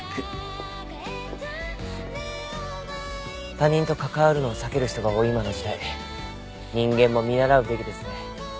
他人と関わるのを避ける人が多い今の時代人間も見習うべきですね。